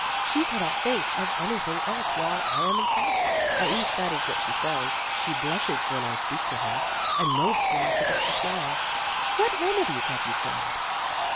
She cannot think of anything else while I am in sight at least, that is what she says. She blushes when I speak to her, and mopes when I forget to smile." " What remedies have you tried